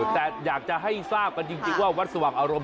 แต่อยากจะให้ทราบกันจริงว่าวัดสว่างอารมณ์